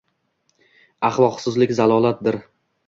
Аllohsizlik zalolatdir